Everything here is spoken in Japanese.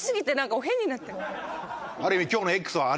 ある意味。